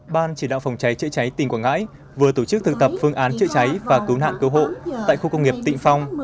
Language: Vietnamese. ban chỉ đạo phòng cháy chữa cháy tỉnh quảng ngãi vừa tổ chức thực tập phương án chữa cháy và cứu nạn cứu hộ tại khu công nghiệp tịnh phong